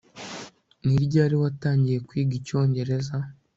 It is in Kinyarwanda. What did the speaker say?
Ni ryari watangiye kwiga icyongereza